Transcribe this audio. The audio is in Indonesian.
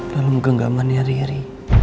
dalam genggaman nyari iri